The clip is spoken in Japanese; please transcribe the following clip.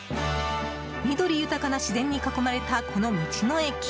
緑豊かな自然に囲まれたこの道の駅。